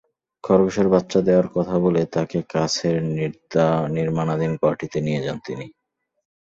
খরগোশের বাচ্চা দেওয়ার কথা বলে তাকে কাছের নির্মাণাধীন ঘরটিতে নিয়ে যান তিনি।